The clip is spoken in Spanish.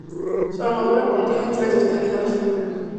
Su armadura contiene tres sostenidos.